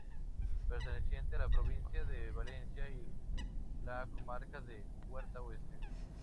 Perteneciente a la provincia de Valencia y la comarca de Huerta Oeste.